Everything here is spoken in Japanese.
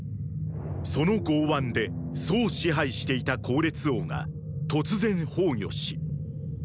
その豪腕で楚を支配していた考烈王が突然崩御しーー。